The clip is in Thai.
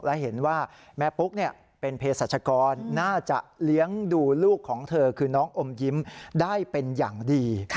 และเห็นว่าแม่ปุ๊กเป็นเพศรัชกรน่าจะเลี้ยงดูลูกของเธอคือน้องอมยิ้มได้เป็นอย่างดี